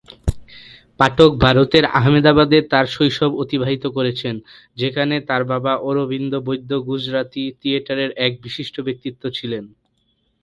পাঠক ভারতের আহমেদাবাদে তাঁর শৈশব অতিবাহিত করেছেন, যেখানে তাঁর বাবা অরবিন্দ বৈদ্য গুজরাতি থিয়েটারের এক বিশিষ্ট ব্যক্তিত্ব ছিলেন।